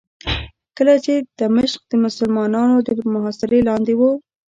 کله چې دمشق د مسلمانانو تر محاصرې لاندې و.